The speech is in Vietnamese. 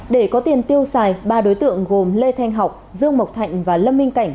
để có tiền tiêu xài ba đối tượng gồm lê thanh học dương mộc thạnh và lâm minh cảnh